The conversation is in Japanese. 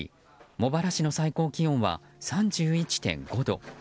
茂原市の最高気温は３１．５度。